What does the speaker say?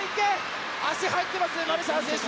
足、入ってますねマルシャン選手。